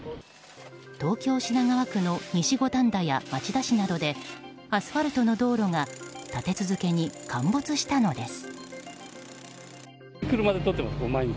東京・品川区の西五反田や町田市などでアスファルトの道路が立て続けに陥没したのです。